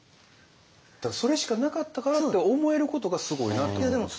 「それしかなかったから」って思えることがすごいなって思うんですよ。